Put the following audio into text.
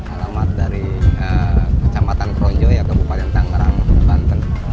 alamat dari kecamatan kronjo ya ke bupatan tangerang banten